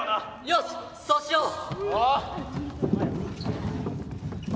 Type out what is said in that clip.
よしそうしよう！